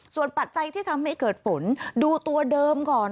ส่วนปัจจัยที่ทำให้เกิดฝนดูตัวเดิมก่อน